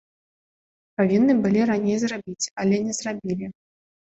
Павінны былі раней зрабіць, але не зрабілі.